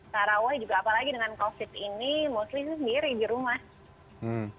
sarawah juga apalagi dengan covid ini mostly sendiri di rumah